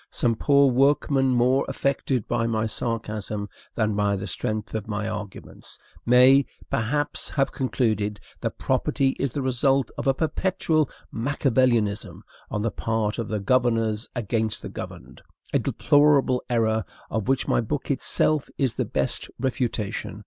Some poor workingman more affected by my sarcasm than by the strength of my arguments may, perhaps, have concluded that property is the result of a perpetual Machiavelianism on the part of the governors against the governed, a deplorable error of which my book itself is the best refutation.